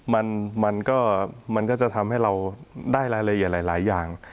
มันมันก็จะทำให้เราได้รายละเอียดหลายอย่าง